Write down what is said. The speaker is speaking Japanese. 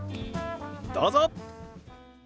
どうぞ。